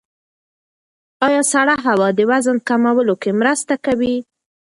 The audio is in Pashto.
ایا سړه هوا د وزن کمولو کې مرسته کوي؟